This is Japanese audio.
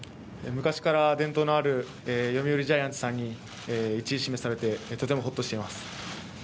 昔から伝統のある読売ジャイアンツさんに１位指名されてとてもホッとしています。